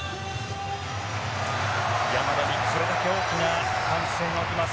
山田にもこれだけ大きな歓声が沸きます。